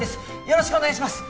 よろしくお願いします。